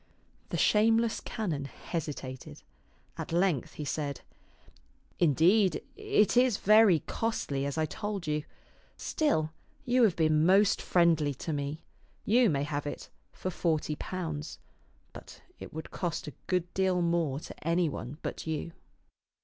The shameless canon hesitated. At length he said, Indeed, it is very costly, as I told you. Still, you have been most friendly to me. You may have it for forty pounds ; but it would cost a good deal more to any one but you."